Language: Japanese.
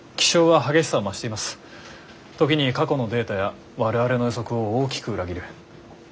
時に過去のデータや我々の予測を大きく裏切る。